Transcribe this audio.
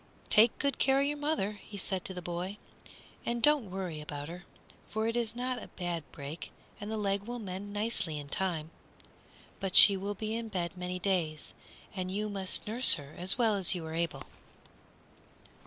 "Take good care of your mother," he said to the boy, "and don't worry about her, for it is not a bad break and the leg will mend nicely in time; but she will be in bed many days, and you must nurse her as well as you are able."